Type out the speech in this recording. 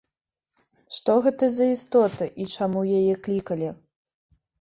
Што гэта за істота і чаму яе клікалі?